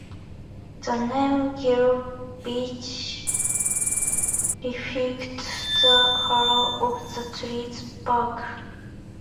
The name "yellow birch" reflects the color of the tree's bark.